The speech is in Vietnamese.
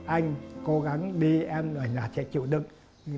anh cố gắng đi em ở nhà trẻ chịu đựng